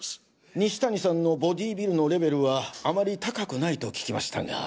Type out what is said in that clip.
西谷さんのボディビルのレベルはあまり高くないと聞きましたが？